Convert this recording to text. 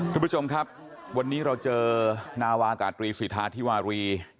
คุณผู้ชมครับวันนี้เราเจอนาวากาตรีสิทธาธิวารี